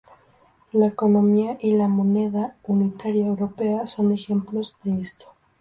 La economía y la moneda unitaria europea son ejemplos de esto.